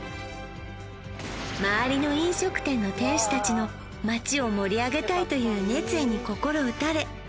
周りの飲食店の店主たちの街を盛り上げたいという熱意に心打たれ